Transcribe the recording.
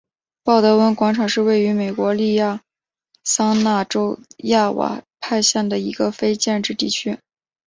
鲍德温广场是位于美国亚利桑那州亚瓦派县的一个非建制地区。